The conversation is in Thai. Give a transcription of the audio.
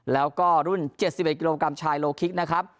แล้วก็รุ่นเจ็ดสิบเอ็ดกิโลกรัมชายโลคิกนะครับ